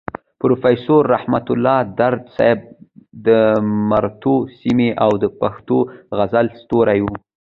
پروفيسور رحمت الله درد صيب د مروتو سيمې او د پښتو غزل ستوری وو.